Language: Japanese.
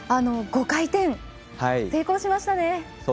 ５回転、成功しましたね。